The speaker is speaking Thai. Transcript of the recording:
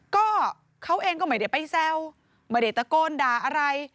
ก็เขาเองก็ไม่ได้ไปแซวไม่ได้ตะโกนด่าอะไร